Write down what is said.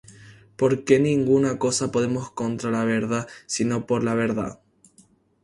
Porque ninguna cosas podemos contra la verdad, sino por la verdad.